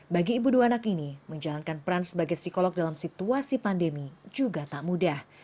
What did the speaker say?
bagi ibu dua anak ini menjalankan peran sebagai psikolog dalam situasi pandemi juga tak mudah